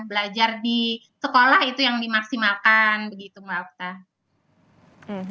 belajar di sekolah itu yang dimaksimalkan begitu mbak afta